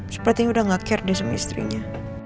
sepertinya udah nggak care dia sama istrinya